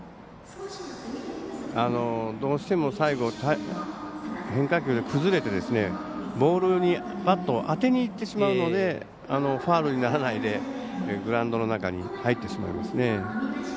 どうしても最後、変化球で崩れて、ボールにバットを当てにいってしまうのでファウルにならないでグラウンドの中に入ってしまいますね。